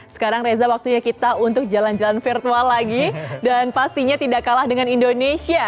sekarang reza waktunya kita untuk jalan jalan virtual lagi dan pastinya tidak kalah dengan indonesia